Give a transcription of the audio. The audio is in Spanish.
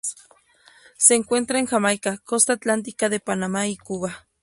Se encuentra en Jamaica, costa atlántica de Panamá y Cuba.